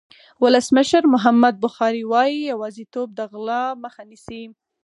ولسمشر محمد بخاري وایي یوازېتوب د غلا مخه نیسي.